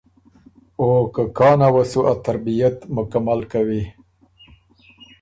او که کانه وه سُو ا ترتیب مکمل کوی۔